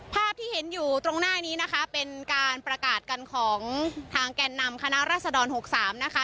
ภาพที่เห็นอยู่ตรงหน้านี้นะคะเป็นการประกาศกันของทางแก่นนำคณะรัศดร๖๓นะคะ